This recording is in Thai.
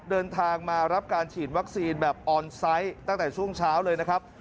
เดินทางมารับการฉีดวัคซีนแบบออนไซต์ตั้งแต่ช่วงเช้าเลยนะครับ